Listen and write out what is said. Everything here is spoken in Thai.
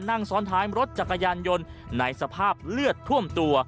นั่งซ้อนท้ายรถจักรยานยนต์ในสภาพเลือดท่วมตัว